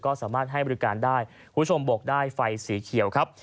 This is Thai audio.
ก็สามารถให้บริการได้คุณผู้ชมบกได้ไฟสีเขียวครับ